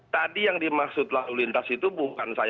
tadi yang dimaksud lalu lintas itu